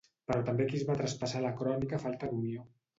Però també aquí es va traspassar la crònica falta d'unió.